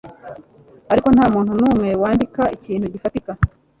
ariko ntamuntu numwe wandika ikintu gifatika